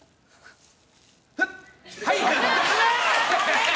はい！